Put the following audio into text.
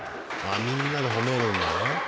あみんなでほめるんだな。